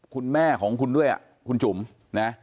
คุณแม่ของคุณด้วยคุณจุ๋มนะ